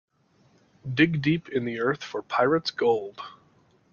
Dig deep in the earth for pirate's gold.